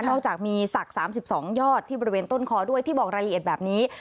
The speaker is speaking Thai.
อกจากมีศักดิ์๓๒ยอดที่บริเวณต้นคอด้วยที่บอกรายละเอียดแบบนี้